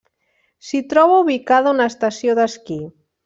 S'hi troba ubicada una estació d'esquí.